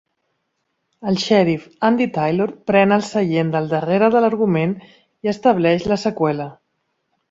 El xèrif Andy Taylor pren el seient del darrere de l'argument i estableix la seqüela.